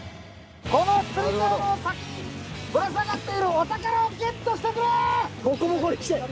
この釣竿の先にぶら下がっているお宝をゲットしてくれ！